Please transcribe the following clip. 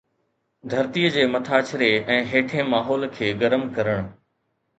ڌرتيءَ جي مٿاڇري ۽ هيٺين ماحول کي گرم ڪرڻ